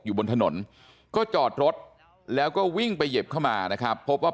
อยู่บนถนนก็จอดรถแล้วก็วิ่งไปเหยียบเข้ามานะครับพบว่า